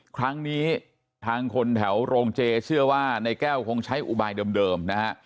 ครั้งนี้ทางคนแถวโรงเจเชื่อว่าในแก้วคงใช้อุบายเดิมนะฮะ